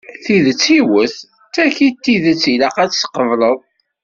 Tidet yiwet, d tagi i d tidet ilaq ad tt-tqebleḍ.